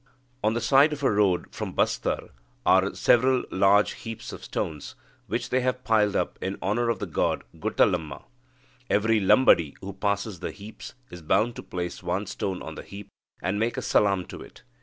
On the side of a road from Bastar are several large heaps of stones, which they have piled up in honour of the goddess Guttalamma. Every Lambadi who passes the heaps is bound to place one stone on the heap, and make a salaam to it.